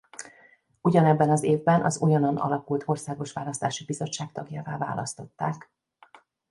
Ugyanebben az évben az újonnan alakult Országos Választási Bizottság tagjává választották.